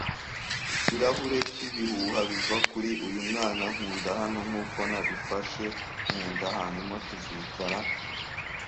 ikirahure cyibihuha biva kuri uyu mwana nkunda hano, nkuko nabifashe nkunda; hanyuma tuzicara